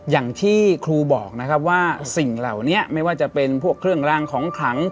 อย่างที่ครูบอกนะครับว่าสิ่งเหล่านี้ไม่ว่าจะเป็นพวกเครื่องรางของขลัง